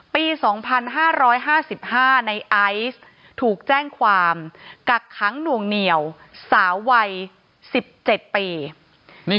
ปี๒๕๕๕ในไอซ์ถูกแจ้งความกักขังหน่วงเหนียวสาววัย๑๗ปี